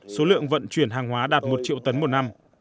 số lượng vận chuyển hàng hóa đạt một triệu tấn một năm